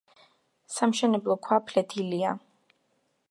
სამშენებლო ქვა ფლეთილია.